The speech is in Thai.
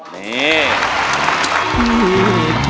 นี่